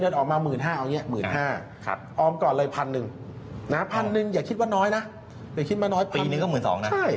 เดี๋ยวคิดมาน้อยพันปีนี้ก็๑๒๐๐๐บาทนะ